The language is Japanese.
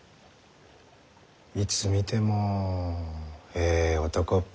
いつ見てもええ男っぷりじゃ。